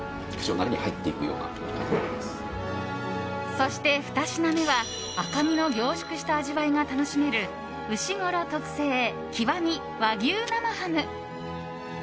そして、２品目は赤みの凝縮した味わいが楽しめるうしごろ特製“極”和牛生ハム。